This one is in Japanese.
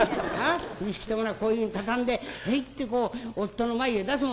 風呂敷ってものはこういうふうに畳んでへいってこう夫の前へ出すもんだ」。